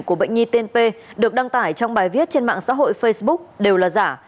của bệnh nhi tên p được đăng tải trong bài viết trên mạng xã hội facebook đều là giả